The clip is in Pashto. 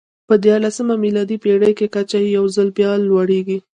په دیارلسمه میلادي پېړۍ کې کچه یو ځل بیا لوړېږي.